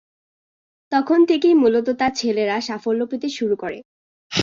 তখন থেকেই মূলত তার ছেলেরা সাফল্য পেতে শুরু করে।